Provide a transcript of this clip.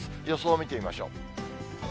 予想を見てみましょう。